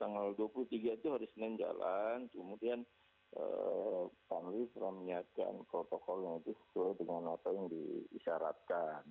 tanggal dua puluh tiga itu harus menjalan kemudian pemerintah menyatakan protokol yang disuruh dengan apa yang disyaratkan